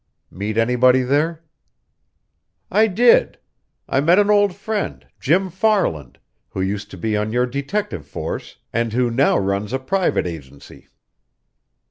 "Meet anybody there?" "I did. I met an old friend, Jim Farland, who used to be on your detective force, and who now runs a private agency."